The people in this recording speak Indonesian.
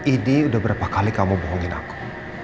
ini udah berapa kali kamu bohongin aku